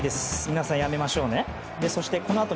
皆さん、やめましょうね。